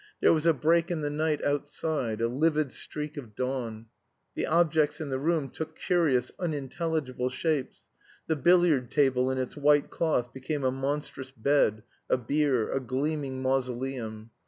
There was a break in the night outside, a livid streak of dawn; the objects in the room took curious unintelligible shapes, the billiard table in its white cloth became a monstrous bed, a bier, a gleaming mausoleum.